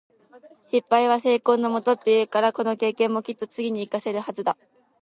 「失敗は成功のもと」って言うから、この経験もきっと次に活かせるはずだ。